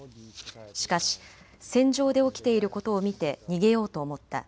しかし戦場で起きていることを見て逃げようと思った。